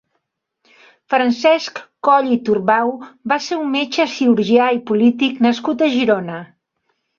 Francesc Coll i Turbau va ser un metge cirurgià i polític nascut a Girona.